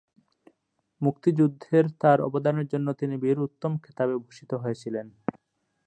মুক্তিযুদ্ধের তার অবদানের জন্য তিনি বীর উত্তম খেতাবে ভূষিত হয়েছিলেন।